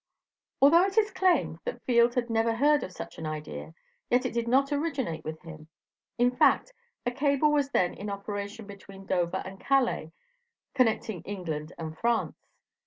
Although it is claimed that Field had never heard of such an idea, yet it did not originate with him. In fact, a cable was then in operation between Dover and Calais, connecting England and France.